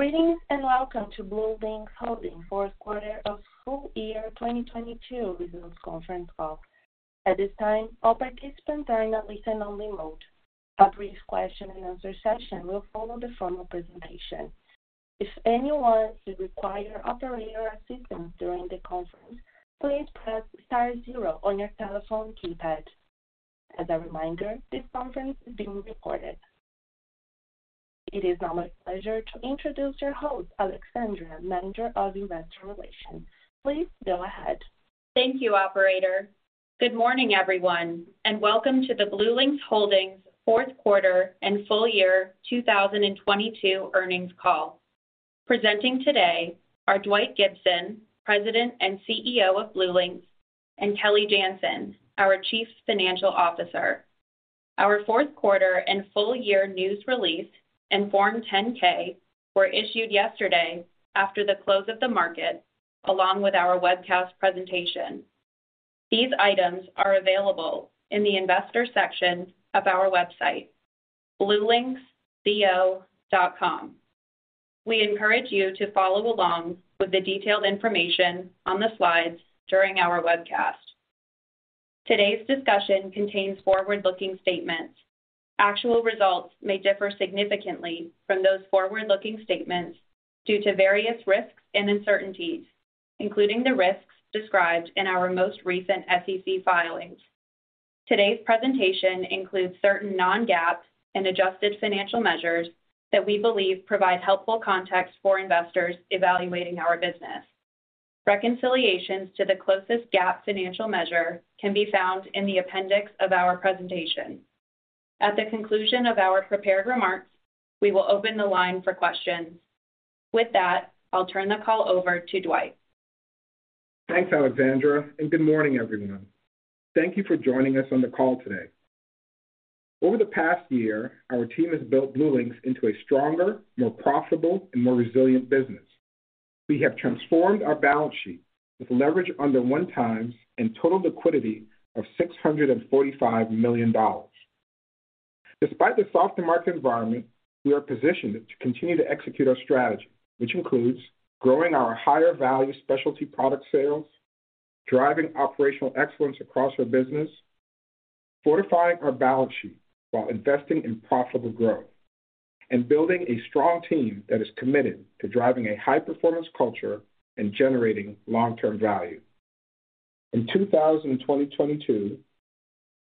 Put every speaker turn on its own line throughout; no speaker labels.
Greetings and welcome to BlueLinx Holdings' Fourth Quarter of Full Year 2022 Results Conference Call. At this time, all participants are in a listen-only mode. A brief question and answer session will follow the formal presentation. If anyone should require operator assistance during the conference, please press star zero on your telephone keypad. As a reminder, this conference is being recorded. It is now my pleasure to introduce your host, Alexandra, Manager of Investor Relations. Please go ahead.
Thank you, operator. Good morning, everyone, and welcome to the BlueLinx Holdings fourth quarter and full year 2022 earnings call. Presenting today are Dwight Gibson, President and CEO of BlueLinx, and Kelly Janzen, our Chief Financial Officer. Our fourth quarter and full year news release and Form 10-K were issued yesterday after the close of the market, along with our webcast presentation. These items are available in the investor section of our website, bluelinxco.com. We encourage you to follow along with the detailed information on the slides during our webcast. Today's discussion contains forward-looking statements. Actual results may differ significantly from those forward-looking statements due to various risks and uncertainties, including the risks described in our most recent SEC filings. Today's presentation includes certain non-GAAP and adjusted financial measures that we believe provide helpful context for investors evaluating our business. Reconciliations to the closest GAAP financial measure can be found in the appendix of our presentation. At the conclusion of our prepared remarks, we will open the line for questions. With that, I'll turn the call over to Dwight.
Thanks, Alexandra. Good morning, everyone. Thank you for joining us on the call today. Over the past year, our team has built BlueLinx into a stronger, more profitable, and more resilient business. We have transformed our balance sheet with leverage under one times and total liquidity of $645 million. Despite the softer market environment, we are positioned to continue to execute our strategy, which includes growing our higher value specialty product sales, driving operational excellence across our business, fortifying our balance sheet while investing in profitable growth, and building a strong team that is committed to driving a high-performance culture and generating long-term value. In 2022,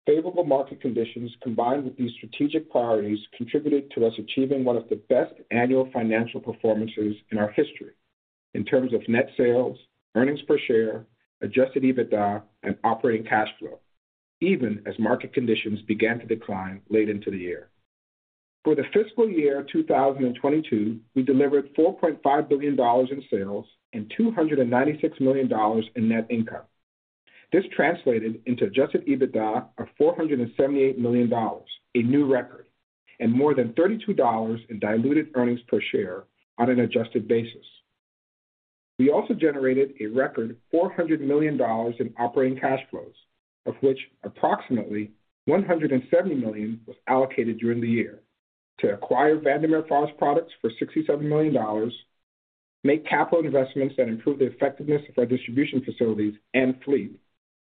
favorable market conditions combined with these strategic priorities contributed to us achieving one of the best annual financial performances in our history in terms of net sales, earnings per share, Adjusted EBITDA and operating cash flow, even as market conditions began to decline late into the year. For the fiscal year 2022, we delivered $4.5 billion in sales and $296 million in net income. This translated into Adjusted EBITDA of $478 million, a new record, and more than $32 in diluted earnings per share on an adjusted basis. We also generated a record $400 million in operating cash flows, of which approximately $170 million was allocated during the year to acquire Vandermeer Forest Products for $67 million, make capital investments that improve the effectiveness of our distribution facilities and fleet,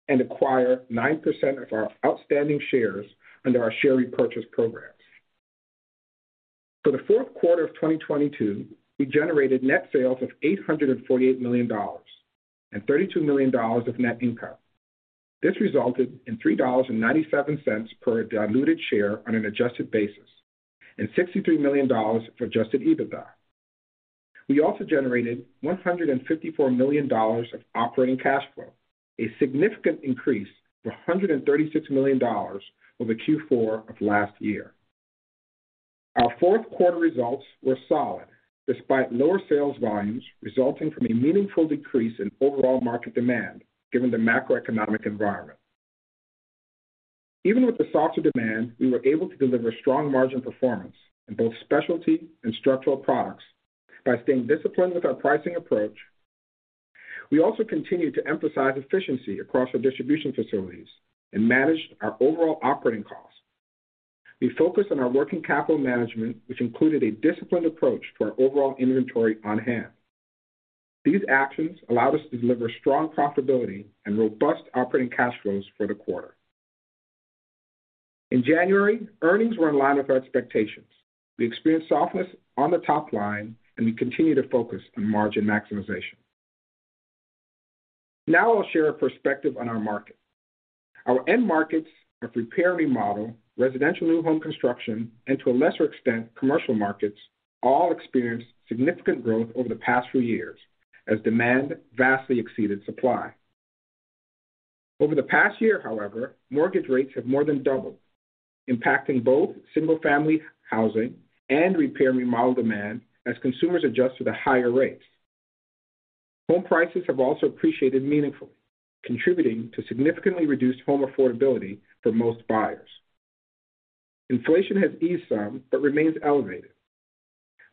and acquire 9% of our outstanding shares under our share repurchase programs. For the fourth quarter of 2022, we generated net sales of $848 million and $32 million of net income. This resulted in $3.97 per diluted share on an adjusted basis and $63 million of Adjusted EBITDA. We also generated $154 million of operating cash flow, a significant increase of $136 million over Q4 of last year. Our fourth quarter results were solid despite lower sales volumes resulting from a meaningful decrease in overall market demand, given the macroeconomic environment. Even with the softer demand, we were able to deliver strong margin performance in both specialty and structural products by staying disciplined with our pricing approach. We also continued to emphasize efficiency across our distribution facilities and managed our overall operating costs. We focused on our working capital management, which included a disciplined approach to our overall inventory on hand. These actions allowed us to deliver strong profitability and robust operating cash flows for the quarter. In January, earnings were in line with our expectations. We experienced softness on the top line, and we continue to focus on margin maximization. Now I'll share a perspective on our market. Our end markets of repair/remodel, residential new home construction, and to a lesser extent, commercial markets, all experienced significant growth over the past few years as demand vastly exceeded supply. Over the past year, however, mortgage rates have more than doubled, impacting both single-family housing and repair/remodel demand as consumers adjust to the higher rates. Home prices have also appreciated meaningfully, contributing to significantly reduced home affordability for most buyers. Inflation has eased some but remains elevated.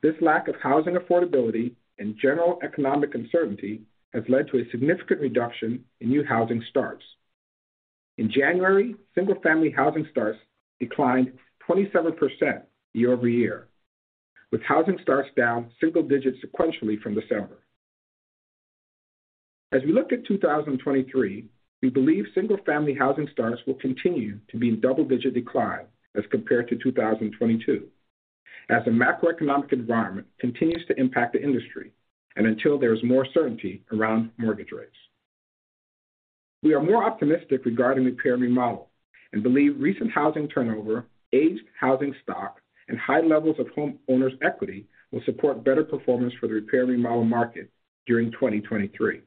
This lack of housing affordability and general economic uncertainty has led to a significant reduction in new housing starts. In January, single-family housing starts declined 27% year-over-year, with housing starts down single digits sequentially from December. As we look to 2023, we believe single family housing starts will continue to be in double-digit decline as compared to 2022 as the macroeconomic environment continues to impact the industry and until there is more certainty around mortgage rates. We are more optimistic regarding repair/remodel and believe recent housing turnover, aged housing stock, and high levels of homeowners' equity will support better performance for the repair/remodel market during 2023.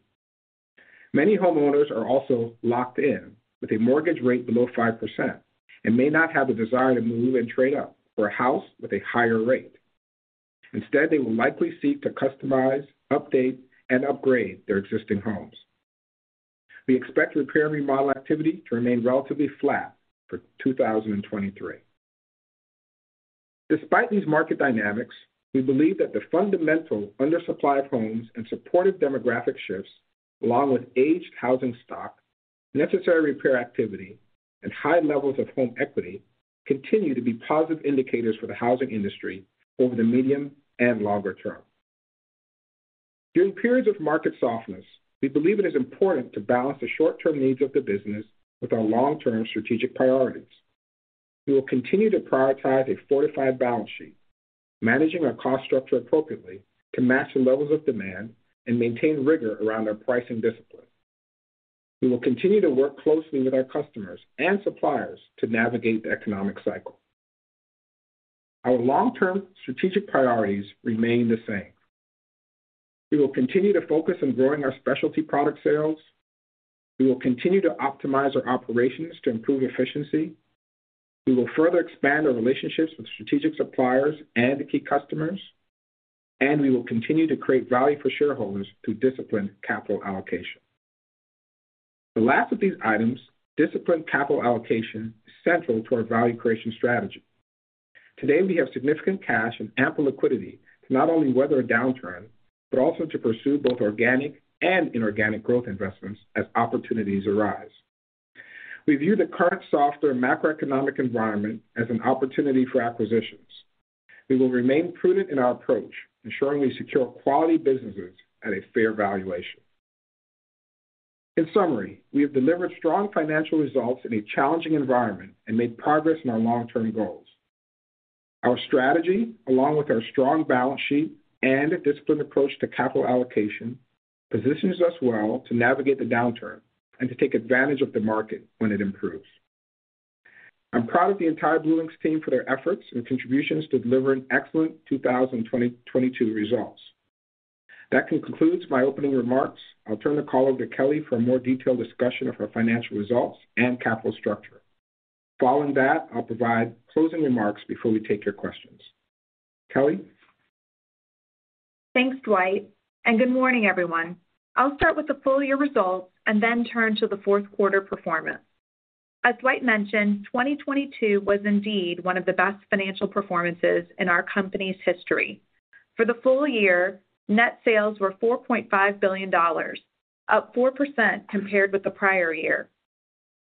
Many homeowners are also locked in with a mortgage rate below 5% and may not have the desire to move and trade up for a house with a higher rate. Instead, they will likely seek to customize, update, and upgrade their existing homes. We expect repair/remodel activity to remain relatively flat for 2023. Despite these market dynamics, we believe that the fundamental undersupply of homes and supportive demographic shifts, along with aged housing stock, necessary repair activity, and high levels of home equity, continue to be positive indicators for the housing industry over the medium and longer term. During periods of market softness, we believe it is important to balance the short-term needs of the business with our long-term strategic priorities. We will continue to prioritize a fortified balance sheet, managing our cost structure appropriately to match the levels of demand and maintain rigor around our pricing discipline. We will continue to work closely with our customers and suppliers to navigate the economic cycle. Our long-term strategic priorities remain the same. We will continue to focus on growing our specialty product sales. We will continue to optimize our operations to improve efficiency. We will further expand our relationships with strategic suppliers and key customers, and we will continue to create value for shareholders through disciplined capital allocation. The last of these items, disciplined capital allocation, is central to our value creation strategy. Today, we have significant cash and ample liquidity to not only weather a downturn, but also to pursue both organic and inorganic growth investments as opportunities arise. We view the current softer macroeconomic environment as an opportunity for acquisitions. We will remain prudent in our approach, ensuring we secure quality businesses at a fair valuation. In summary, we have delivered strong financial results in a challenging environment and made progress in our long-term goals. Our strategy, along with our strong balance sheet and a disciplined approach to capital allocation, positions us well to navigate the downturn and to take advantage of the market when it improves. I'm proud of the entire BlueLinx team for their efforts and contributions to delivering excellent 2022 results. That concludes my opening remarks. I'll turn the call over to Kelly for a more detailed discussion of our financial results and capital structure. Following that, I'll provide closing remarks before we take your questions. Kelly?
Thanks, Dwight. Good morning, everyone. I'll start with the full year results and then turn to the fourth quarter performance. As Dwight mentioned, 2022 was indeed one of the best financial performances in our company's history. For the full year, net sales were $4.5 billion, up 4% compared with the prior year.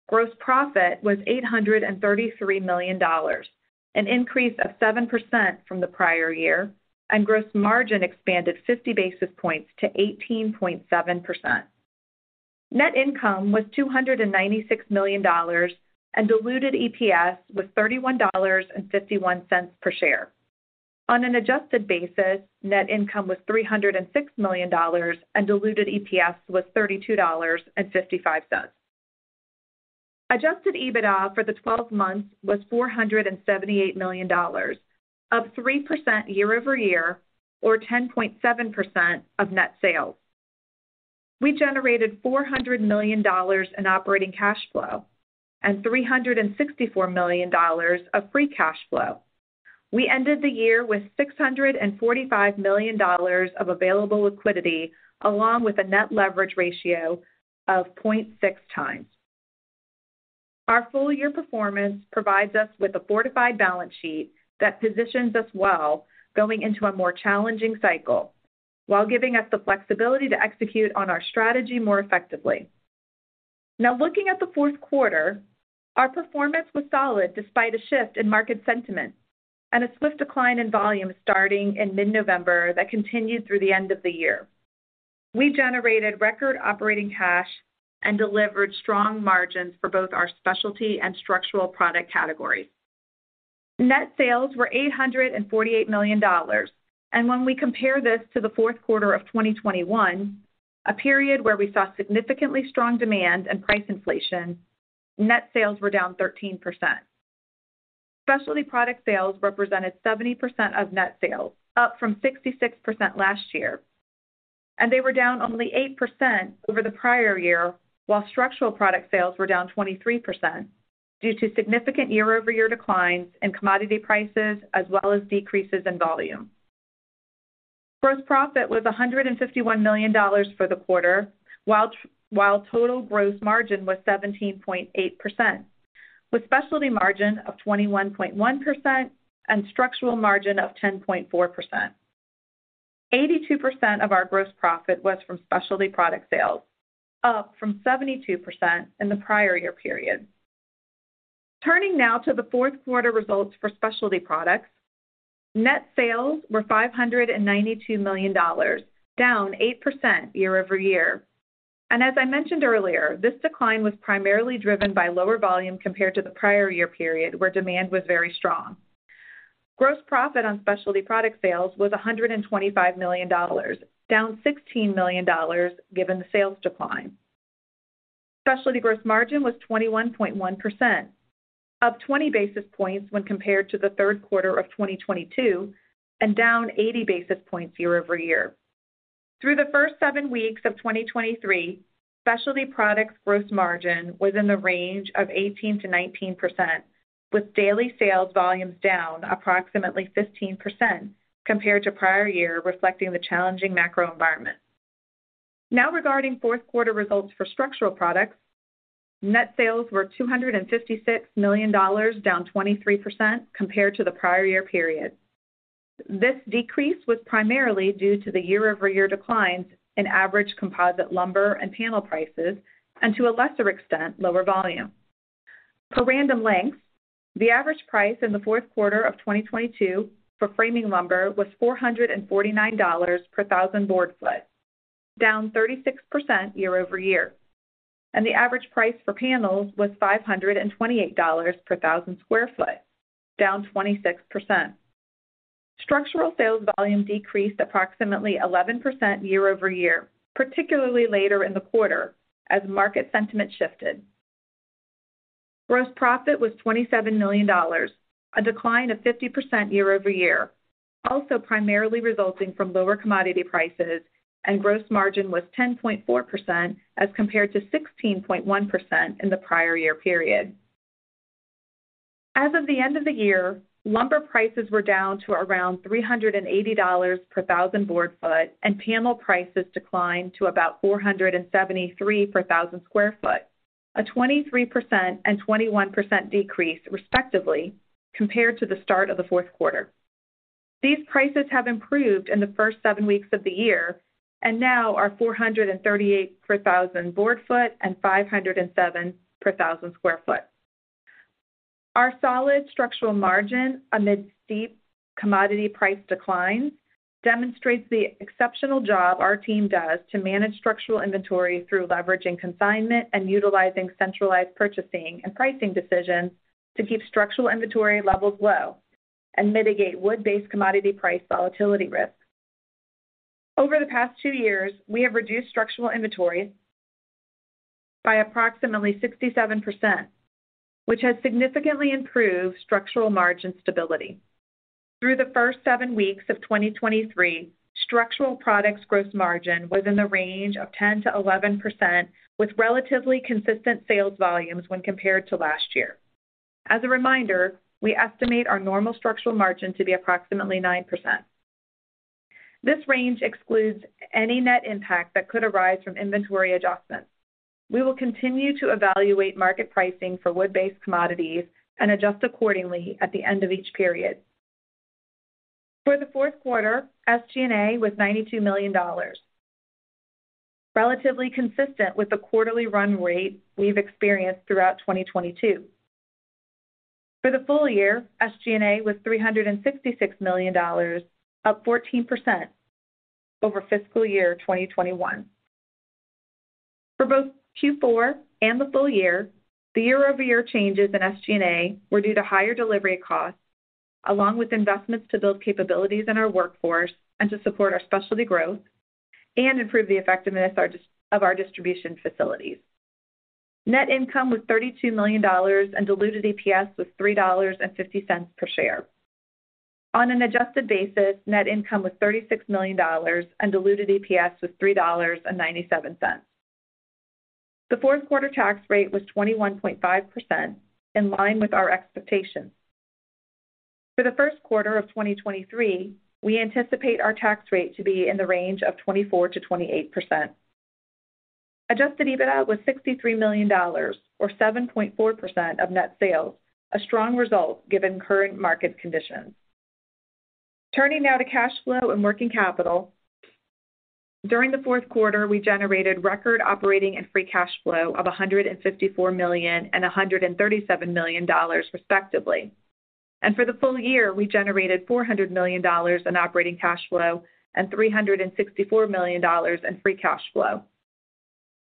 Gross profit was $833 million, an increase of 7% from the prior year, and gross margin expanded 50 basis points to 18.7%. Net income was $296 million, and diluted EPS was $31.51 per share. On an adjusted basis, net income was $306 million, and diluted EPS was $32.55. Adjusted EBITDA for the 12 months was $478 million, up 3% year-over-year, or 10.7% of net sales. We generated $400 million in operating cash flow and $364 million of free cash flow. We ended the year with $645 million of available liquidity along with a net leverage ratio of 0.6x. Our full year performance provides us with a fortified balance sheet that positions us well going into a more challenging cycle while giving us the flexibility to execute on our strategy more effectively. Looking at the fourth quarter, our performance was solid despite a shift in market sentiment and a swift decline in volume starting in mid-November that continued through the end of the year. We generated record operating cash and delivered strong margins for both our specialty and structural product categories. Net sales were $848 million, and when we compare this to the fourth quarter of 2021, a period where we saw significantly strong demand and price inflation, net sales were down 13%. Specialty product sales represented 70% of net sales, up from 66% last year, and they were down only 8% over the prior year, while structural product sales were down 23% due to significant year-over-year declines in commodity prices as well as decreases in volume. Gross profit was $151 million for the quarter, while total gross margin was 17.8%, with specialty margin of 21.1% and structural margin of 10.4%. 82% of our gross profit was from specialty product sales, up from 72% in the prior year period. Turning now to the fourth quarter results for specialty products. Net sales were $592 million, down 8% year-over-year. As I mentioned earlier, this decline was primarily driven by lower volume compared to the prior year period, where demand was very strong. Gross profit on specialty product sales was $125 million, down $16 million given the sales decline. Specialty gross margin was 21.1%, up 20 basis points when compared to the third quarter of 2022, and down 80 basis points year-over-year. Through the first 7 weeks of 2023, Specialty Products gross margin was in the range of 18%-19%, with daily sales volumes down approximately 15% compared to prior year, reflecting the challenging macro environment. Regarding fourth quarter results for Structural Products, net sales were $256 million, down 23% compared to the prior year period. This decrease was primarily due to the year-over-year declines in average composite lumber and panel prices and, to a lesser extent, lower volume. Per Random Lengths, the average price in the fourth quarter of 2022 for framing lumber was $449 per thousand board ft, down 36% year-over-year, and the average price for panels was $528 per thousand sq ft, down 26%. Structural sales volume decreased approximately 11% year-over-year, particularly later in the quarter as market sentiment shifted. Gross profit was $27 million, a decline of 50% year-over-year, also primarily resulting from lower commodity prices, and gross margin was 10.4% as compared to 16.1% in the prior year period. As of the end of the year, lumber prices were down to around $380 per 1,000 board ft, and panel prices declined to about $473 per 1,000 sq ft, a 23% and 21% decrease, respectively, compared to the start of the fourth quarter. These prices have improved in the first seven weeks of the year and now are $438 per 1,000 board ft and $507 per 1,000 sq ft. Our solid structural margin amid steep commodity price declines demonstrates the exceptional job our team does to manage structural inventory through leveraging consignment and utilizing centralized purchasing and pricing decisions to keep structural inventory levels low and mitigate wood-based commodity price volatility risk. Over the past two years, we have reduced structural inventory by approximately 67%, which has significantly improved structural margin stability. Through the first seven weeks of 2023, Structural Products gross margin was in the range of 10%-11%, with relatively consistent sales volumes when compared to last year. As a reminder, we estimate our normal structural margin to be approximately 9%. This range excludes any net impact that could arise from inventory adjustments. We will continue to evaluate market pricing for wood-based commodities and adjust accordingly at the end of each period. For the fourth quarter, SG&A was $92 million, relatively consistent with the quarterly run rate we've experienced throughout 2022. For the full year, SG&A was $366 million, up 14% over fiscal year 2021. For both Q4 and the full year, the year-over-year changes in SG&A were due to higher delivery costs, along with investments to build capabilities in our workforce and to support our specialty growth and improve the effectiveness of our distribution facilities. Net income was $32 million, and Diluted EPS was $3.50 per share. On an adjusted basis, net income was $36 million, and Diluted EPS was $3.97. The fourth quarter tax rate was 21.5%, in line with our expectations. For the first quarter of 2023, we anticipate our tax rate to be in the range of 24%-28%. Adjusted EBITDA was $63 million, or 7.4% of net sales, a strong result given current market conditions. Turning now to cash flow and working capital. During the fourth quarter, we generated record operating and free cash flow of $154 million and $137 million, respectively. For the full year, we generated $400 million in operating cash flow and $364 million in free cash flow.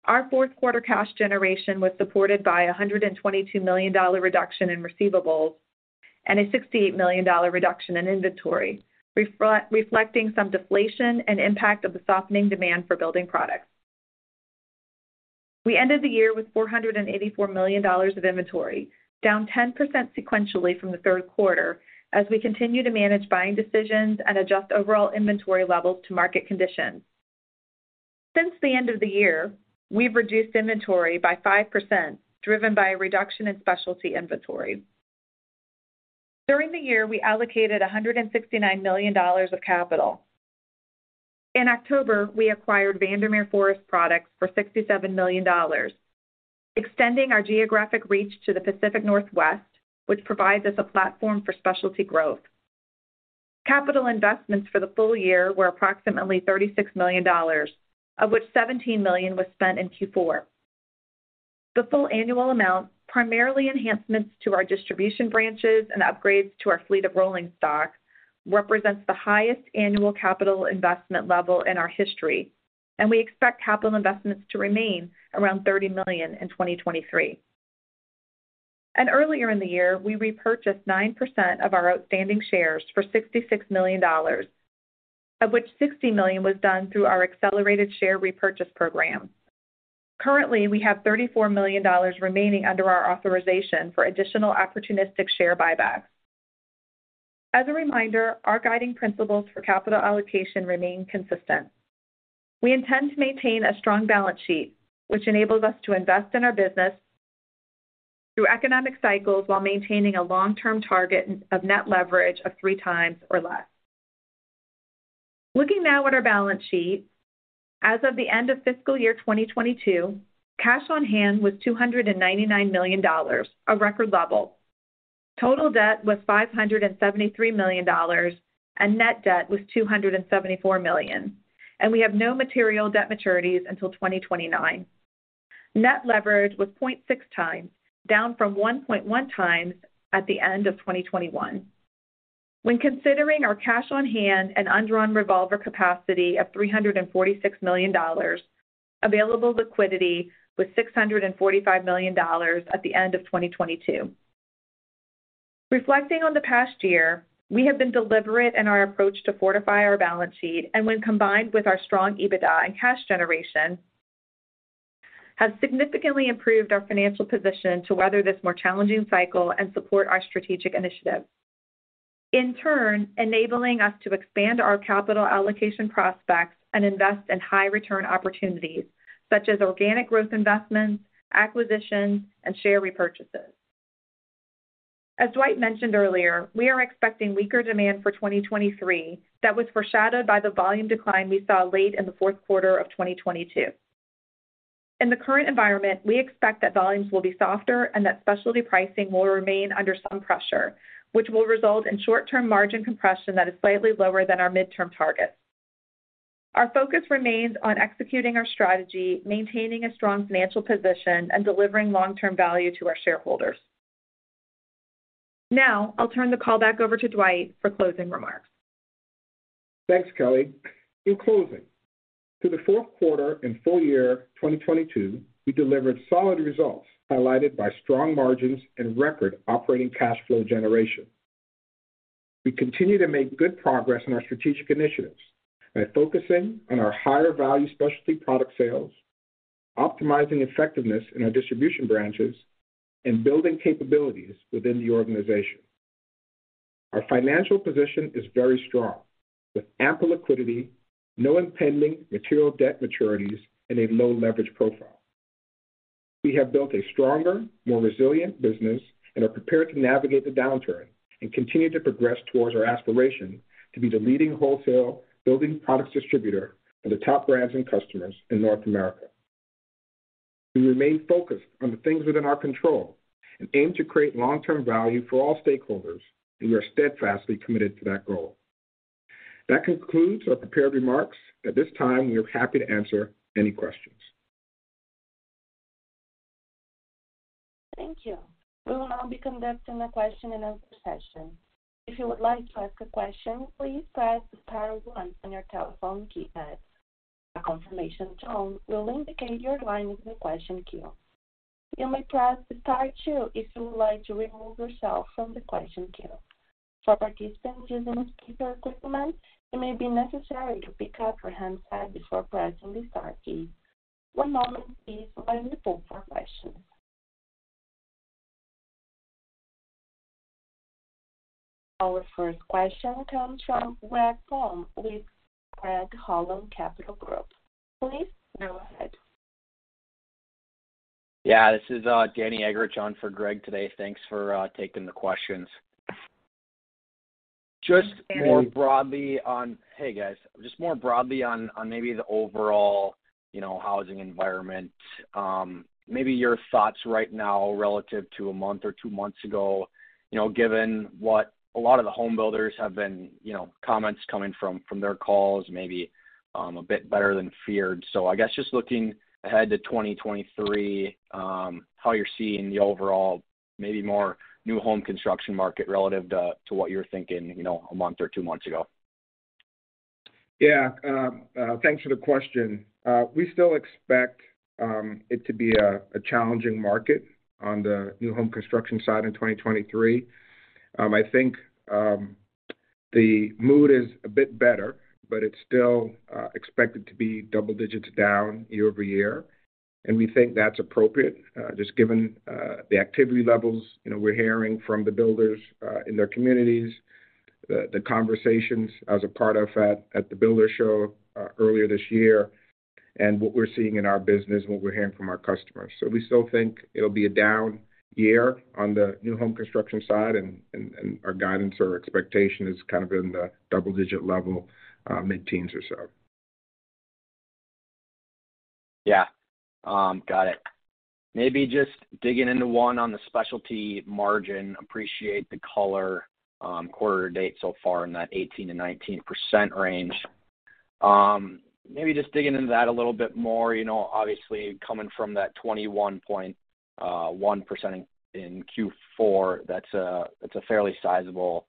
Our fourth quarter cash generation was supported by a $122 million reduction in receivables and a $68 million reduction in inventory, reflecting some deflation and impact of the softening demand for building products. We ended the year with $484 million of inventory, down 10% sequentially from the third quarter as we continue to manage buying decisions and adjust overall inventory levels to market conditions. Since the end of the year, we've reduced inventory by 5%, driven by a reduction in specialty inventory. During the year, we allocated $169 million of capital. In October, we acquired Vandermeer Forest Products for $67 million. Extending our geographic reach to the Pacific Northwest, which provides us a platform for specialty growth. Capital investments for the full year were approximately $36 million, of which $17 million was spent in Q4. The full annual amount, primarily enhancements to our distribution branches and upgrades to our fleet of rolling stock, represents the highest annual capital investment level in our history. We expect capital investments to remain around $30 million in 2023. Earlier in the year, we repurchased 9% of our outstanding shares for $66 million, of which $60 million was done through our accelerated share repurchase program. Currently, we have $34 million remaining under our authorization for additional opportunistic share buybacks. As a reminder, our guiding principles for capital allocation remain consistent. We intend to maintain a strong balance sheet, which enables us to invest in our business through economic cycles while maintaining a long-term target of net leverage of 3x or less. Looking now at our balance sheet, as of the end of fiscal year 2022, cash on hand was $299 million, a record level. Total debt was $573 million, and net debt was $274 million, and we have no material debt maturities until 2029. Net leverage was 0.6x, down from 1.1x at the end of 2021. When considering our cash on hand and undrawn revolver capacity of $346 million, available liquidity was $645 million at the end of 2022. Reflecting on the past year, we have been deliberate in our approach to fortify our balance sheet, and when combined with our strong EBITDA and cash generation, has significantly improved our financial position to weather this more challenging cycle and support our strategic initiatives. In turn, enabling us to expand our capital allocation prospects and invest in high return opportunities such as organic growth investments, acquisitions, and share repurchases. As Dwight mentioned earlier, we are expecting weaker demand for 2023 that was foreshadowed by the volume decline we saw late in the fourth quarter of 2022. In the current environment, we expect that volumes will be softer and that specialty pricing will remain under some pressure, which will result in short-term margin compression that is slightly lower than our midterm targets. Our focus remains on executing our strategy, maintaining a strong financial position, and delivering long-term value to our shareholders. Now, I'll turn the call back over to Dwight for closing remarks.
Thanks, Kelly. In closing, through the fourth quarter and full year 2022, we delivered solid results highlighted by strong margins and record operating cash flow generation. We continue to make good progress in our strategic initiatives by focusing on our higher value specialty product sales, optimizing effectiveness in our distribution branches, and building capabilities within the organization. Our financial position is very strong with ample liquidity, no impending material debt maturities, and a low leverage profile. We have built a stronger, more resilient business and are prepared to navigate the downturn and continue to progress towards our aspiration to be the leading wholesale building products distributor for the top brands and customers in North America. We remain focused on the things within our control and aim to create long-term value for all stakeholders. We are steadfastly committed to that goal. That concludes our prepared remarks. At this time, we are happy to answer any questions.
Thank you. We will now be conducting a question and answer session. If you would like to ask a question, please press star one on your telephone keypad. A confirmation tone will indicate your line is in the question queue. You may press star two if you would like to remove yourself from the question queue. For participants using speaker equipment, it may be necessary to pick up your handset before pressing the star key. One moment please while we look for questions. Our first question comes from Greg Palm with Craig-Hallum Capital Group. Please go ahead.
Yeah. This is Danny Eggerichs on for Greg today. Thanks for taking the questions. Hey, guys. Just more broadly on maybe the overall, you know, housing environment, maybe your thoughts right now relative to a month or two months ago. You know, given what a lot of the home builders have been, you know, comments coming from their calls maybe, a bit better than feared. I guess just looking ahead to 2023, how you're seeing the overall maybe more new home construction market relative to what you were thinking, you know, a month or two months ago.
Thanks for the question. We still expect it to be a challenging market on the new home construction side in 2023. I think the mood is a bit better, but it's still expected to be double-digits down year-over-year, and we think that's appropriate, just given the activity levels, you know, we're hearing from the builders in their communities, the conversations as a part of at the builders show earlier this year and what we're seeing in our business and what we're hearing from our customers. We still think it'll be a down year on the new home construction side and our guidance or expectation is kind of in the double-digit level, mid-teens or so.
Yeah. Got it. Maybe just digging into one on the specialty margin. Appreciate the color, quarter to date so far in that 18%-19% range. Maybe just digging into that a little bit more, you know, obviously coming from that 21.1% in Q4, that's a, that's a fairly sizable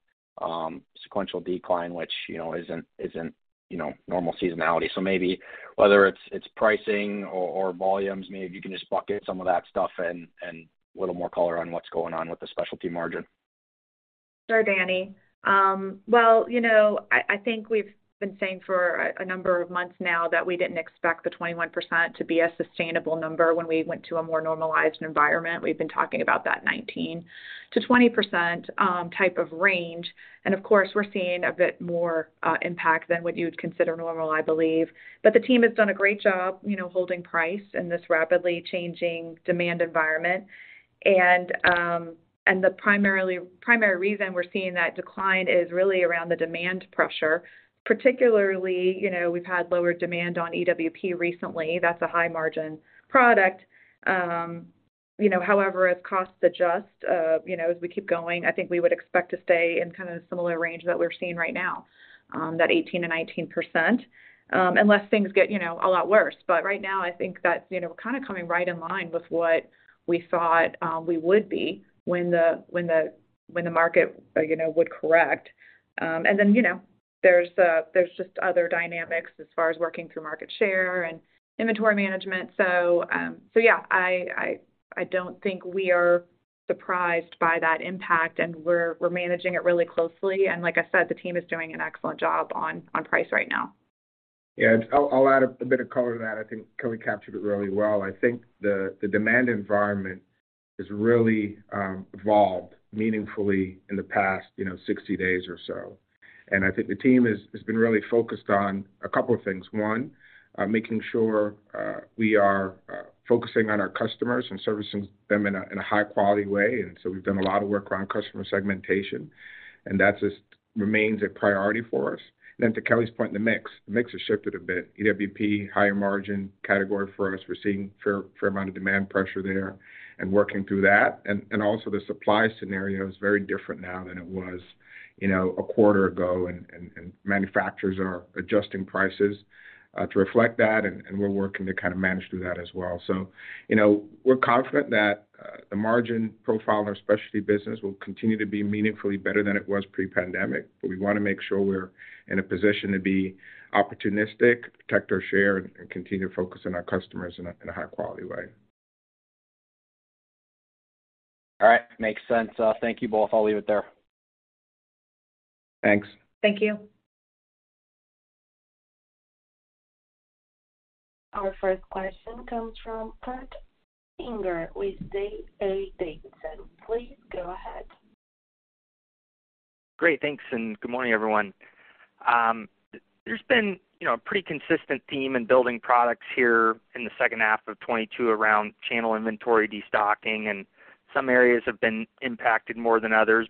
sequential decline, which, you know, isn't, you know, normal seasonality. Maybe whether it's pricing or volumes, maybe if you can just bucket some of that stuff and a little more color on what's going on with the specialty margin.
Sure, Danny. Well, you know, I think we've been saying for a number of months now that we didn't expect the 21% to be a sustainable number when we went to a more normalized environment. We've been talking about that 19%-20% type of range. of course, we're seeing a bit more impact than what you would consider normal, I believe. The team has done a great job, you know, holding price in this rapidly changing demand environment. the primary reason we're seeing that decline is really around the demand pressure. Particularly, you know, we've had lower demand on EWP recently. That's a high margin product. you know, however, as costs adjust, you know, as we keep going, I think we would expect to stay in kind of the similar range that we're seeing right now, that 18% and 19%, unless things get, you know, a lot worse. Right now, I think that's, you know, kind of coming right in line with what we thought we would be when the market, you know, would correct. you know, there's just other dynamics as far as working through market share and inventory management. Yeah, I don't think we are surprised by that impact, and we're managing it really closely. Like I said, the team is doing an excellent job on price right now.
Yeah. I'll add a bit of color to that. I think Kelly captured it really well. I think the demand environment has really evolved meaningfully in the past, you know, 60 days or so. I think the team has been really focused on a couple of things. One, making sure we are focusing on our customers and servicing them in a high-quality way. So we've done a lot of work around customer segmentation, and that just remains a priority for us. To Kelly's point, the mix has shifted a bit. EWP, higher margin category for us, we're seeing fair amount of demand pressure there and working through that. Also the supply scenario is very different now than it was, you know, a quarter ago, and manufacturers are adjusting prices to reflect that, and we're working to kind of manage through that as well. You know, we're confident that the margin profile in our specialty business will continue to be meaningfully better than it was pre-pandemic, but we wanna make sure we're in a position to be opportunistic, protect our share, and continue to focus on our customers in a high-quality way.
All right. Makes sense. Thank you both. I'll leave it there.
Thanks.
Thank you.
Our first question comes from Kurt Anderson with D.A. Davidson. Please go ahead.
Great. Thanks, and good morning, everyone. There's been, you know, a pretty consistent theme in building products here in the second half of 2022 around channel inventory destocking, and some areas have been impacted more than others,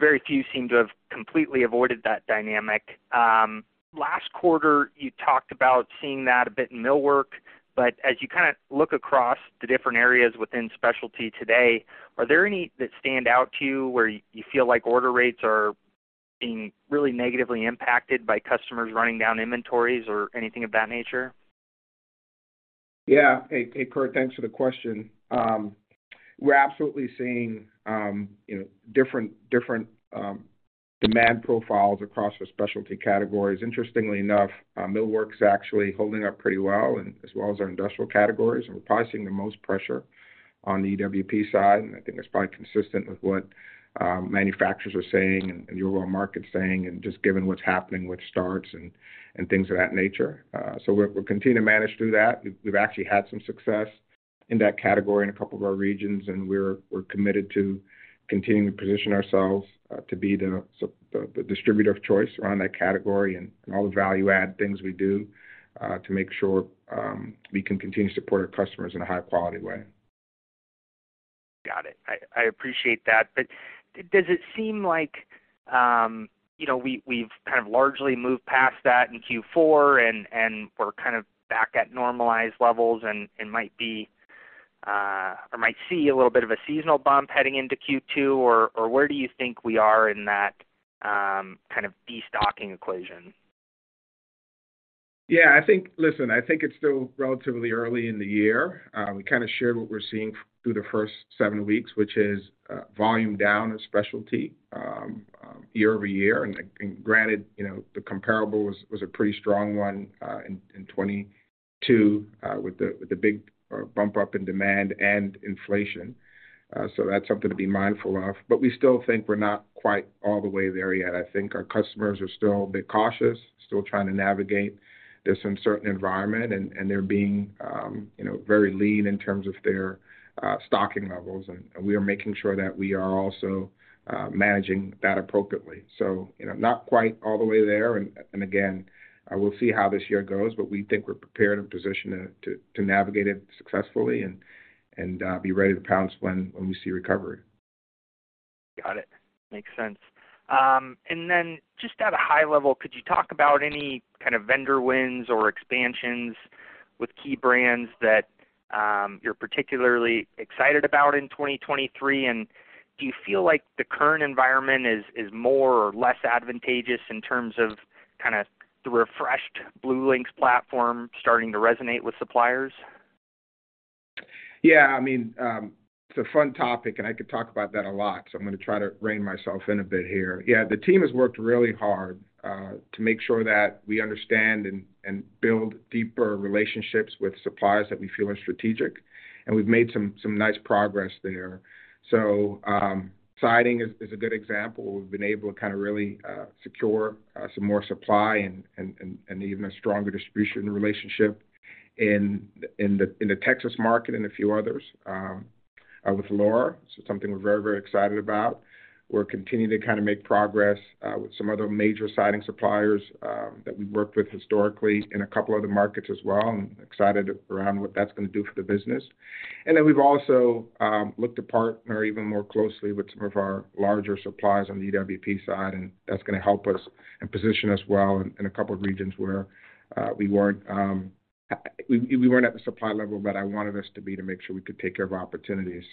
but very few seem to have completely avoided that dynamic. Last quarter, you talked about seeing that a bit in millwork, but as you kinda look across the different areas within specialty today, are there any that stand out to you where you feel like order rates are being really negatively impacted by customers running down inventories or anything of that nature?
Yeah. Hey, hey, Kurt. Thanks for the question. We're absolutely seeing, you know, different demand profiles across the specialty categories. Interestingly enough, millwork's actually holding up pretty well and as well as our industrial categories. We're probably seeing the most pressure on the EWP side, and I think that's probably consistent with what manufacturers are saying and Euro market's saying and just given what's happening with starts and things of that nature. We'll continue to manage through that. We've actually had some success in that category in a couple of our regions, and we're committed to continuing to position ourselves to be the distributor of choice around that category and all the value add things we do to make sure we can continue to support our customers in a high-quality way.
Got it. I appreciate that. Does it seem like, you know, we've kind of largely moved past that in Q4 and we're kind of back at normalized levels and might be or might see a little bit of a seasonal bump heading into Q2, or where do you think we are in that kind of destocking equation?
Yeah, Listen, I think it's still relatively early in the year. We kinda shared what we're seeing through the first seven weeks, which is volume down in specialty, year-over-year. Granted, you know, the comparable was a pretty strong one, in 2022, with the big bump up in demand and inflation. That's something to be mindful of, but we still think we're not quite all the way there yet. I think our customers are still a bit cautious, still trying to navigate this uncertain environment, and they're being, you know, very lean in terms of their stocking levels. We are making sure that we are also managing that appropriately. You know, not quite all the way there. Again, we'll see how this year goes, but we think we're prepared and positioned to navigate it successfully and be ready to pounce when we see recovery.
Got it. Makes sense. Just at a high level, could you talk about any kind of vendor wins or expansions with key brands that you're particularly excited about in 2023? Do you feel like the current environment is more or less advantageous in terms of kinda the refreshed BlueLinx platform starting to resonate with suppliers?
I mean, it's a fun topic, and I could talk about that a lot, so I'm gonna try to rein myself in a bit here. The team has worked really hard to make sure that we understand and build deeper relationships with suppliers that we feel are strategic, and we've made some nice progress there. Siding is a good example. We've been able to kinda really secure some more supply and even a stronger distribution relationship in the Texas market and a few others with Allura. Something we're very excited about. We're continuing to kinda make progress with some other major siding suppliers that we've worked with historically in a couple other markets as well and excited around what that's gonna do for the business. We've also looked to partner even more closely with some of our larger suppliers on the EWP side, and that's gonna help us and position us well in a couple of regions where we weren't at the supply level that I wanted us to be to make sure we could take care of our opportunities.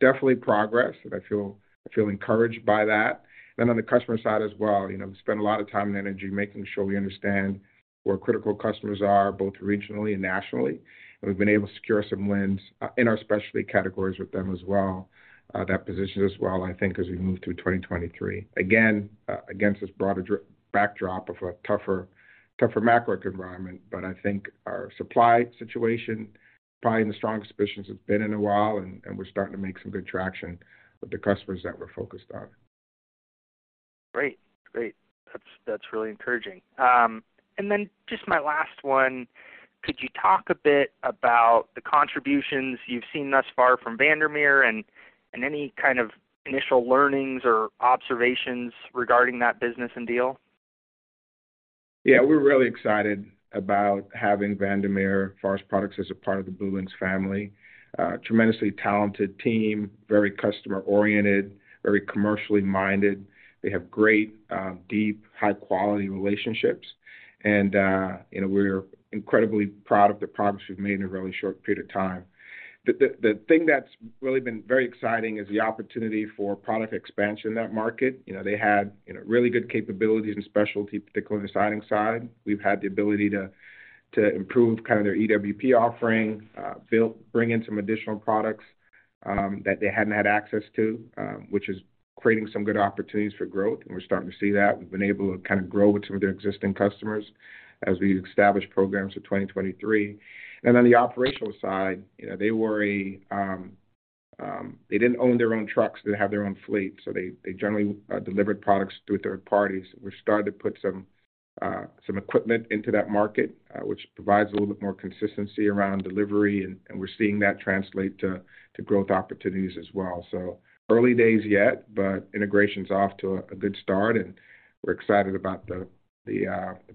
Definitely progress, and I feel encouraged by that. On the customer side as well, you know, we spend a lot of time and energy making sure we understand where critical customers are, both regionally and nationally. We've been able to secure some wins in our specialty categories with them as well. That positions us well, I think, as we move through 2023. Again, against this broader backdrop of a tougher macro environment. I think our supply situation, probably in the strongest position it's been in a while, and we're starting to make some good traction with the customers that we're focused on.
Great. Great. That's really encouraging. Just my last one, could you talk a bit about the contributions you've seen thus far from Vandermeer and any kind of initial learnings or observations regarding that business and deal?
Yeah, we're really excited about having Vandermeer Forest Products as a part of the BlueLinx family. Tremendously talented team, very customer-oriented, very commercially minded. They have great, deep, high-quality relationships. You know, we're incredibly proud of the progress we've made in a really short period of time. The thing that's really been very exciting is the opportunity for product expansion in that market. You know, they had, you know, really good capabilities and specialty, particularly on the siding side. We've had the ability to improve kinda their EWP offering, bring in some additional products that they hadn't had access to, which is creating some good opportunities for growth, and we're starting to see that. We've been able to kinda grow with some of their existing customers as we establish programs for 2023. On the operational side, you know, They didn't own their own trucks. They didn't have their own fleet, so they generally delivered products through third parties. We've started to put some equipment into that market, which provides a little bit more consistency around delivery, and we're seeing that translate to growth opportunities as well. Early days yet, but integration's off to a good start, and we're excited about the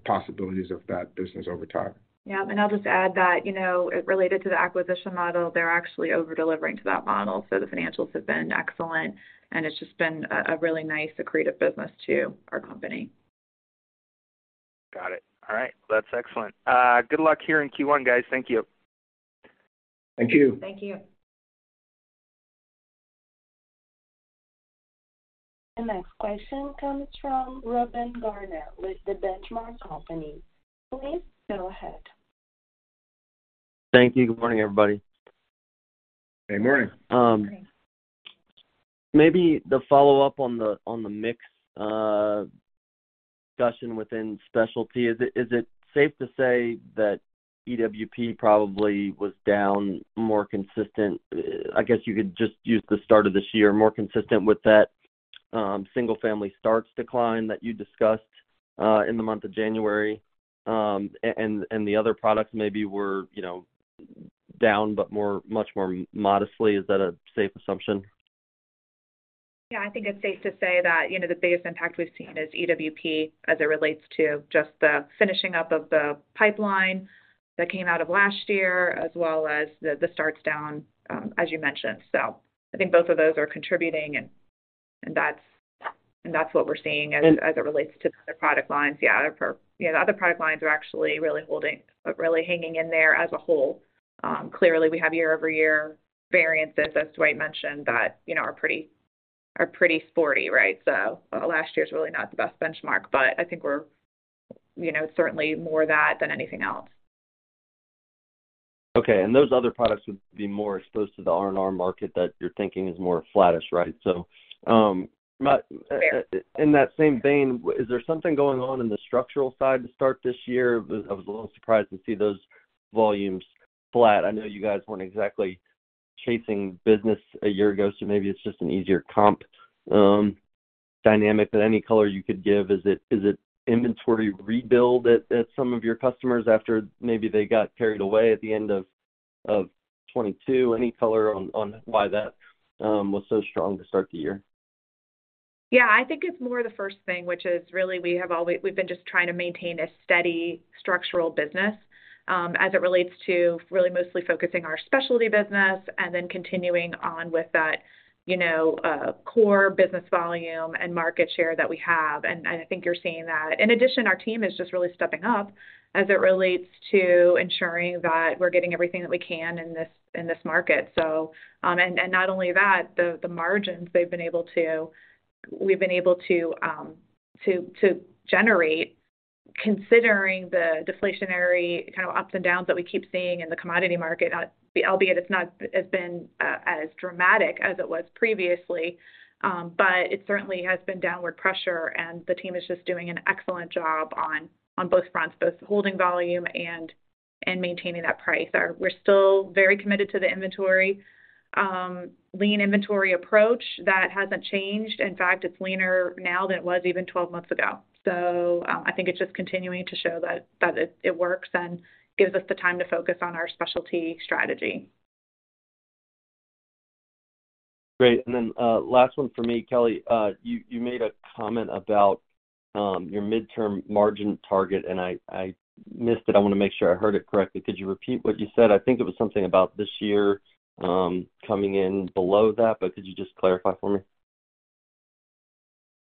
possibilities of that business over time.
I'll just add that, you know, related to the acquisition model, they're actually over-delivering to that model, so the financials have been excellent, and it's just been a really nice accretive business to our company.
Got it. All right. That's excellent. Good luck here in Q1, guys. Thank you.
Thank you.
Thank you.
The next question comes from Reuben Garner with The Benchmark Company. Please go ahead.
Thank you. Good morning, everybody.
Good morning.
Good morning.
Maybe the follow-up on the mix discussion within specialty. Is it safe to say that EWP probably was down more consistent, I guess you could just use the start of this year, more consistent with that single-family starts decline that you discussed in the month of January, and the other products maybe were, you know, down but much more modestly? Is that a safe assumption?
Yeah, I think it's safe to say that, you know, the biggest impact we've seen is EWP as it relates to just the finishing up of the pipeline that came out of last year, as well as the starts down, as you mentioned. I think both of those are contributing and that's what we're seeing.... as it relates to the other product lines. The other you know, the other product lines are actually really holding, hanging in there as a whole. Clearly, we have year-over-year variances, as Dwight mentioned, that, you know, are pretty sporty, right? Last year's really not the best benchmark, but I think we're, you know, certainly more that than anything else.
Okay. Those other products would be more exposed to the R&R market that you're thinking is more flattish, right?
Yeah...
in that same vein, is there something going on in the structural side to start this year? I was a little surprised to see those volumes flat. I know you guys weren't exactly chasing business a year ago, so maybe it's just an easier comp dynamic. Any color you could give, is it inventory rebuild at some of your customers after maybe they got carried away at the end of 2022? Any color on why that was so strong to start the year?
Yeah, I think it's more the first thing, which is really we've been just trying to maintain a steady structural business, as it relates to really mostly focusing our specialty business and then continuing on with that, you know, core business volume and market share that we have. I think you're seeing that. In addition, our team is just really stepping up as it relates to ensuring that we're getting everything that we can in this market. Not only that, the margins we've been able to generate considering the deflationary kind of ups and downs that we keep seeing in the commodity market, albeit it's not as been as dramatic as it was previously, but it certainly has been downward pressure. The team is just doing an excellent job on both fronts, both holding volume and maintaining that price. We're still very committed to the inventory lean inventory approach. That hasn't changed. In fact, it's leaner now than it was even 12 months ago. I think it's just continuing to show that it works and gives us the time to focus on our specialty strategy.
Great. Then, last one for me. Kelly, you made a comment about your midterm margin target, and I missed it. I wanna make sure I heard it correctly. Could you repeat what you said? I think it was something about this year, coming in below that. Could you just clarify for me?
Yeah.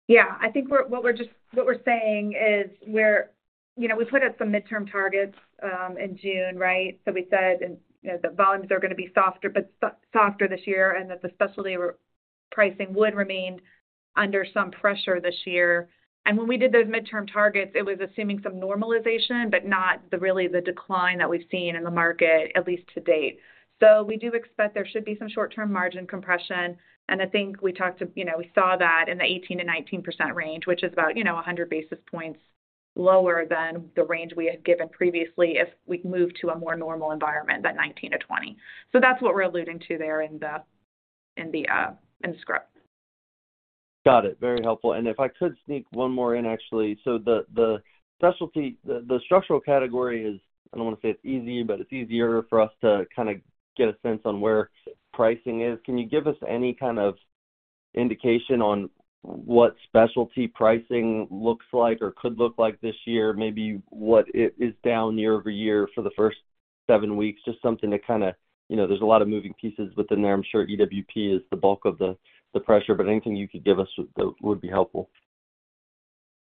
I think what we're saying is we're. You know, we put out some midterm targets in June, right? We said, you know, the volumes are gonna be softer this year and that the specialty pricing would remain under some pressure this year. When we did those midterm targets, it was assuming some normalization, but not the really the decline that we've seen in the market, at least to date. We do expect there should be some short-term margin compression. I think we talked, you know, we saw that in the 18%-19% range, which is about, you know, 100 basis points lower than the range we had given previously if we'd moved to a more normal environment, that 19%-20%. That's what we're alluding to there in the, in the, in the script.
Got it. Very helpful. If I could sneak one more in actually. The specialty structural category is, I don't wanna say it's easy, but it's easier for us to kinda get a sense on where pricing is. Can you give us any kind of indication on what specialty pricing looks like or could look like this year? Maybe what is down year-over-year for the first seven weeks. Just something to kinda, you know, there's a lot of moving pieces within there. I'm sure EWP is the bulk of the pressure, but anything you could give us would be helpful.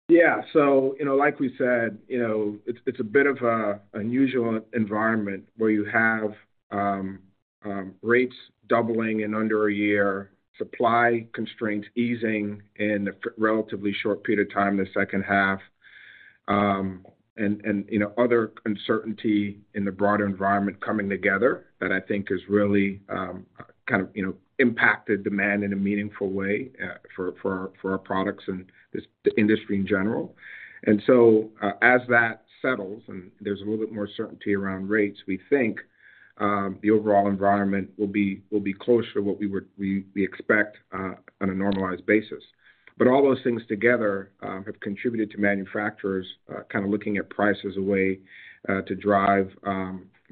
Yeah. You know, like we said, you know, it's a bit of a unusual environment where you have rates doubling in under a year, supply constraints easing in a relatively short period of time in the second half, and, you know, other uncertainty in the broader environment coming together that I think has really, kind of, you know, impacted demand in a meaningful way for our products and this, the industry in general. As that settles and there's a little bit more certainty around rates, we think, the overall environment will be closer to what we expect on a normalized basis. All those things together have contributed to manufacturers, kind of looking at price as a way to drive,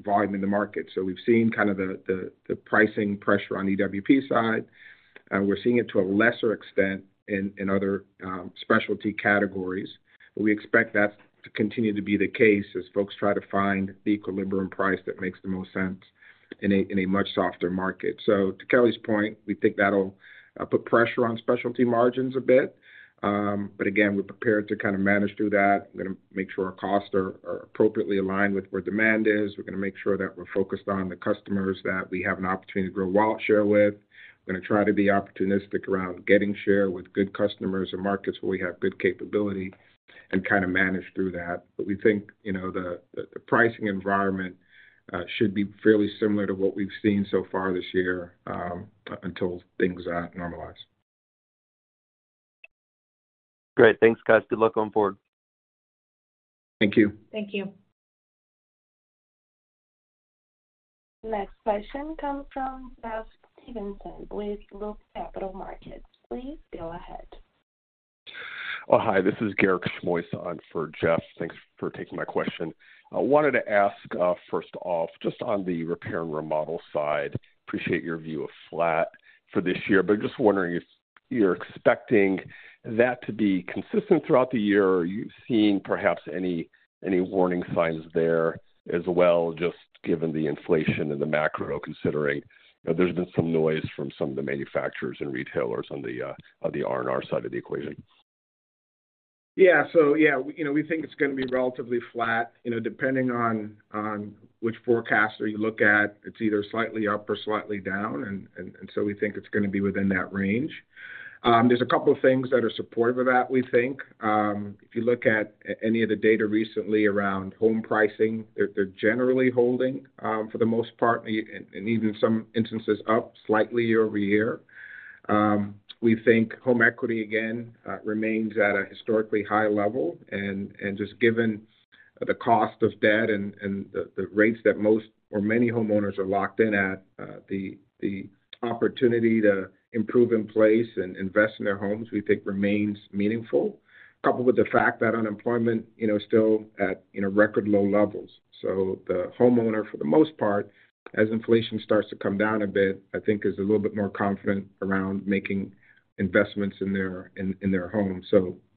volume in the market. We've seen kind of the pricing pressure on EWP side. We're seeing it to a lesser extent in other specialty categories. We expect that to continue to be the case as folks try to find the equilibrium price that makes the most sense in a much softer market. To Kelly's point, we think that'll put pressure on specialty margins a bit. Again, we're prepared to kind of manage through that. We're gonna make sure our costs are appropriately aligned with where demand is. We're gonna make sure that we're focused on the customers that we have an opportunity to grow wallet share with. We're gonna try to be opportunistic around getting share with good customers and markets where we have good capability and kind of manage through that. We think, you know, the pricing environment should be fairly similar to what we've seen so far this year, until things normalize.
Great. Thanks, guys. Good luck going forward.
Thank you.
Thank you.
Next question comes from Jeffrey Stevenson with Loop Capital Markets. Please go ahead.
Hi, this is Garik Shmois for Jeff. Thanks for taking my question. I wanted to ask, first off, just on the repair and remodel side, appreciate your view of flat for this year, just wondering if you're expecting that to be consistent throughout the year. Are you seeing perhaps any warning signs there as well, just given the inflation and the macro considering? There's been some noise from some of the manufacturers and retailers on the R&R side of the equation.
Yeah. You know, we think it's gonna be relatively flat. You know, depending on which forecaster you look at, it's either slightly up or slightly down. We think it's gonna be within that range. There's a couple of things that are supportive of that, we think. If you look at any of the data recently around home pricing, they're generally holding, for the most part, and even in some instances up slightly year-over-year. We think home equity, again, remains at a historically high level. Just given the cost of debt and the rates that most or many homeowners are locked in at, the opportunity to improve in place and invest in their homes, we think remains meaningful. Coupled with the fact that unemployment, you know, is still at, you know, record low levels. The homeowner, for the most part, as inflation starts to come down a bit, I think is a little bit more confident around making investments in their home.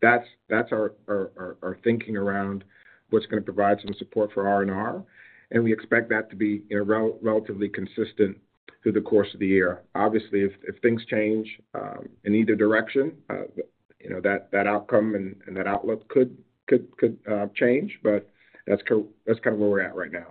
That's our thinking around what's gonna provide some support for R&R, and we expect that to be, you know, relatively consistent through the course of the year. Obviously, if things change in either direction, you know, that outcome and that outlook could change, but that's kind of where we're at right now.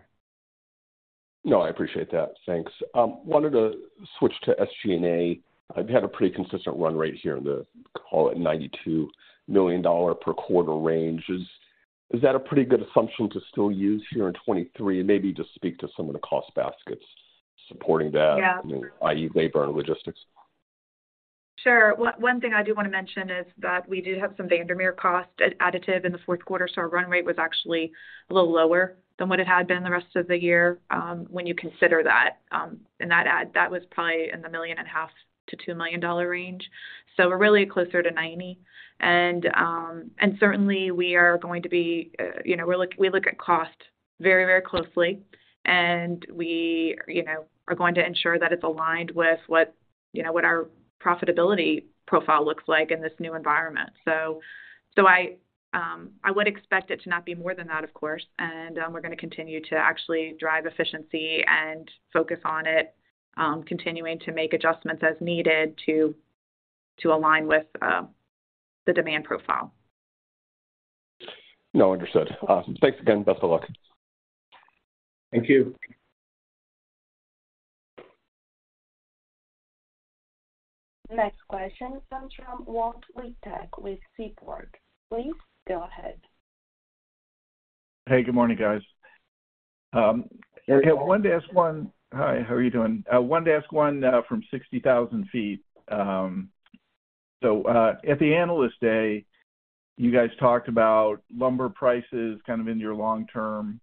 No, I appreciate that. Thanks. Wanted to switch to SG&A. You've had a pretty consistent run rate here in the, call it $92 million per quarter range. Is that a pretty good assumption to still use here in 2023? Maybe just speak to some of the cost baskets supporting that?
Yeah.
you know, i.e., labor and logistics.
Sure. One thing I do wanna mention is that we did have some Vandermeer cost additive in the fourth quarter, so our run rate was actually a little lower than what it had been the rest of the year, when you consider that. That was probably in the $1.5 million-$2 million range. We're really closer to $90. Certainly, we are going to be, you know, we look at cost very, very closely, and we, you know, are going to ensure that it's aligned with what, you know, what our profitability profile looks like in this new environment. I would expect it to not be more than that, of course, and we're gonna continue to actually drive efficiency and focus on it, continuing to make adjustments as needed to align with the demand profile.
No, understood. Thanks again. Best of luck.
Thank you.
Next question comes from Walt Liptak with Seaport. Please go ahead.
Hey, good morning, guys.
Good morning.
Okay. Hi, how are you doing? Wanted to ask one from 60,000 ft. At the Analyst Day, you guys talked about lumber prices kind of in your long term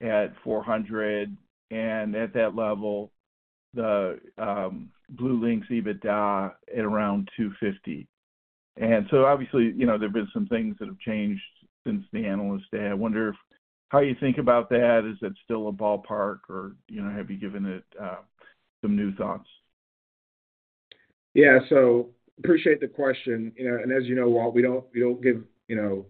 at $400, and at that level, the BlueLinx EBITDA at around $250. Obviously, you know, there have been some things that have changed since the Analyst Day. I wonder if how you think about that. Is it still a ballpark or, you know, have you given it some new thoughts?
Yeah. Appreciate the question. You know, as you know, Walt, we don't give, you know,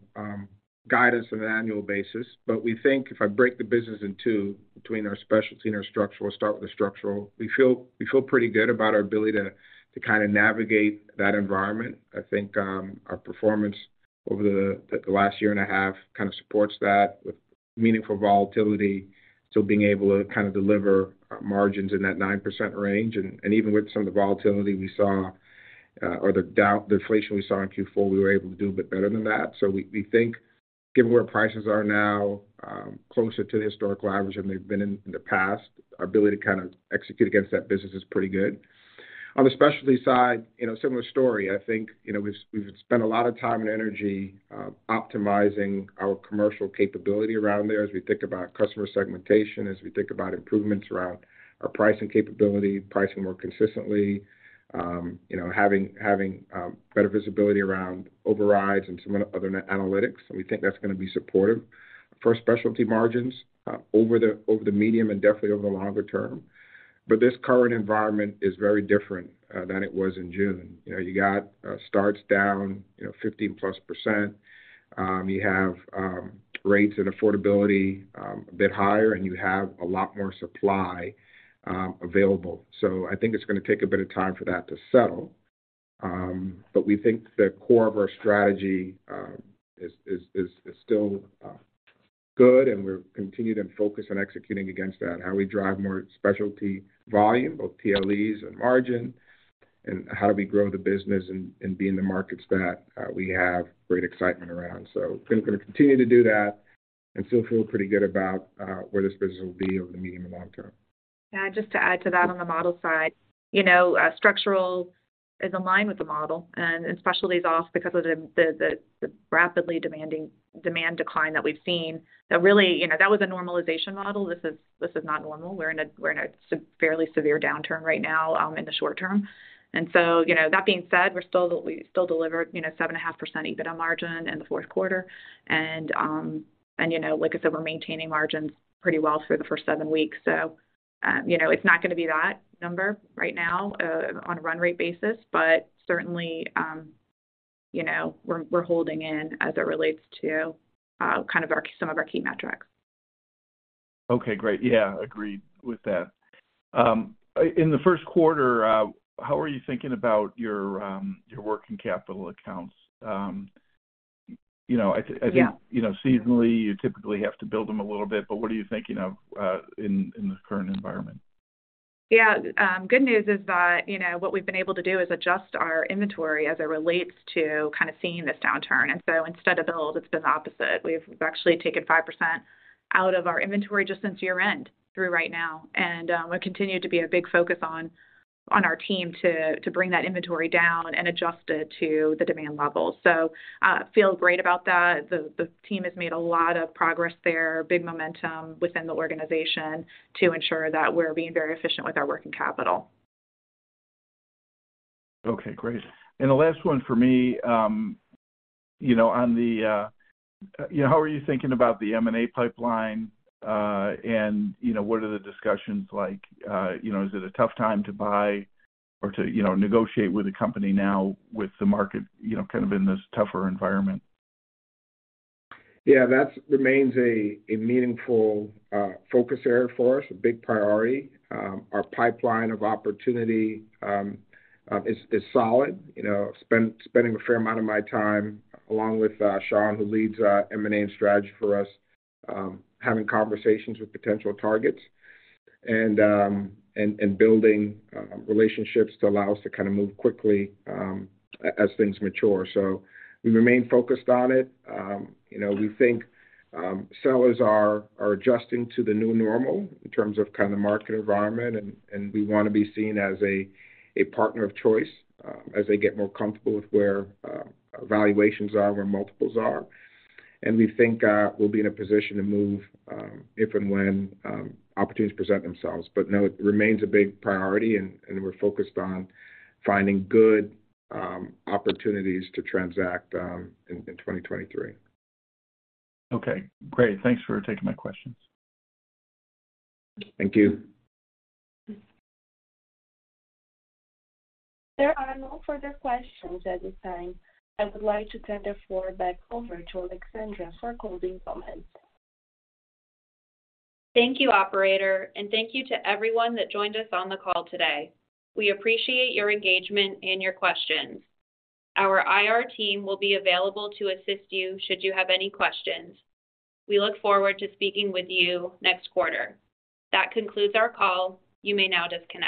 guidance on an annual basis. We think if I break the business in two, between our specialty and our structural, start with the structural. We feel pretty good about our ability to kinda navigate that environment. I think, our performance over the last year and a half kinda supports that with meaningful volatility. Being able to kind of deliver margins in that 9% range. Even with some of the volatility we saw, or the deflation we saw in Q4, we were able to do a bit better than that. We think given where prices are now, closer to the historical average than they've been in the past, our ability to kind of execute against that business is pretty good. On the specialty side, you know, similar story. I think, you know, we've spent a lot of time and energy optimizing our commercial capability around there as we think about customer segmentation, as we think about improvements around our pricing capability, pricing more consistently, you know, having better visibility around overrides and some other analytics. We think that's gonna be supportive for our specialty margins over the medium and definitely over the longer term. This current environment is very different than it was in June. You know, you got starts down, you know, 15+%. You have rates and affordability a bit higher, and you have a lot more supply available. I think it's gonna take a bit of time for that to settle. We think the core of our strategy is still good, and we're continued and focused on executing against that, how we drive more specialty volume, both PLEs and margin, and how do we grow the business and be in the markets that we have great excitement around. Think we're gonna continue to do that and still feel pretty good about where this business will be over the medium and long term.
Yeah, just to add to that on the model side. You know, structural is in line with the model, and specialty's off because of the rapidly demanding demand decline that we've seen. That really, you know, that was a normalization model. This is, this is not normal. We're in a fairly severe downturn right now, in the short term. You know, that being said, we still delivered, you know, seven and a half percent EBITDA margin in the fourth quarter. You know, like I said, we're maintaining margins pretty well through the first seven weeks. You know, it's not gonna be that number right now, on a run rate basis. Certainly, you know, we're holding in as it relates to kind of our, some of our key metrics.
Okay. Great. Yeah, agreed with that. In the first quarter, how are you thinking about your working capital accounts?
Yeah.
I think, you know, seasonally, you typically have to build them a little bit. What are you thinking of, in the current environment?
Yeah. Good news is that, you know, what we've been able to do is adjust our inventory as it relates to kind of seeing this downturn. Instead of build, it's been opposite. We've actually taken 5% out of our inventory just since year-end through right now. What continued to be a big focus on our team to bring that inventory down and adjust it to the demand level. Feel great about that. The team has made a lot of progress there, big momentum within the organization to ensure that we're being very efficient with our working capital.
Okay, great. The last one for me, you know, on the, you know, how are you thinking about the M&A pipeline? What are the discussions like? You know, is it a tough time to buy or to, you know, negotiate with a company now with the market, you know, kind of in this tougher environment?
Yeah, that remains a meaningful focus area for us, a big priority. Our pipeline of opportunity is solid. You know, spending a fair amount of my time, along with Sean, who leads our M&A and strategy for us, having conversations with potential targets and building relationships to allow us to kind of move quickly as things mature. We remain focused on it. You know, we think sellers are adjusting to the new normal in terms of kind of market environment, and we wanna be seen as a partner of choice, as they get more comfortable with where valuations are, where multiples are. We think we'll be in a position to move if and when opportunities present themselves. Now, it remains a big priority, and we're focused on finding good opportunities to transact in 2023.
Okay. Great. Thanks for taking my questions.
Thank you.
There are no further questions at this time. I would like to turn the floor back over to Alexandra for closing comments.
Thank you, operator, and thank you to everyone that joined us on the call today. We appreciate your engagement and your questions. Our IR team will be available to assist you should you have any questions. We look forward to speaking with you next quarter. That concludes our call. You may now disconnect.